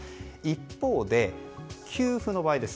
一方で、給付の場合です。